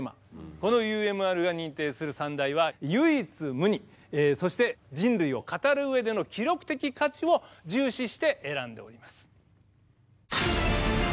このＵＭＲが認定する三大は「唯一無二」そして「人類を語る上での記録的価値」を重視して選んでおります。